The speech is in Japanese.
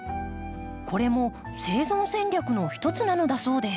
これも生存戦略の一つなのだそうです。